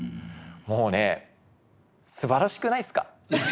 もうねすばらしくないですか。